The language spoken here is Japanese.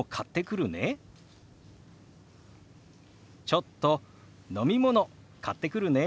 「ちょっと飲み物買ってくるね」。